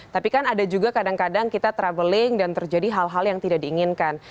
tapi kan ada juga kadang kadang kita traveling dan terjadi hal hal yang tidak diinginkan